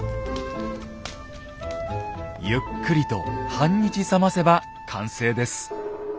ゆっくりと半日冷ませば完成です。